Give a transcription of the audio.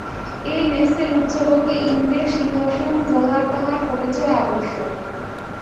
এই মেসের উচ্চলোকে ইন্দ্রের সিংহাসন যাহার তাহার পরিচয় আবশ্যক।